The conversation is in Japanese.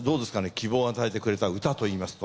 希望を与えてくれた歌といいますと。